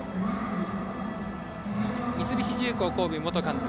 三菱重工神戸元監督